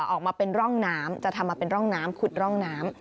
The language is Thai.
ออกมาเป็นร่องน้ำจะทำมาเป็นร่องน้ำขุดร่องน้ำ